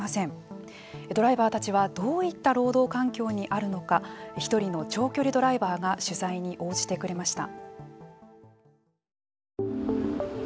ドライバーたちはどういった労働環境にあるのか１人の長距離ドライバーが取材に応じてくれました。